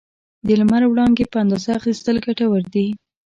د لمر وړانګې په اندازه اخیستل ګټور دي.